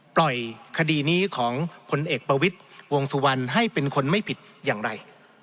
ปล่อยคดีนี้ของผลเอกประวิทย์วงสุวรรณให้เป็นคนไม่ผิดอย่างไร